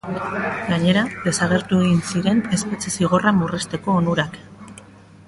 Gainera, desagertu egin ziren espetxe zigorra murrizteko onurak.